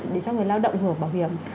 để cho người lao động ngược bảo hiểm